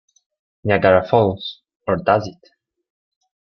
Niagara Falls, or Does It?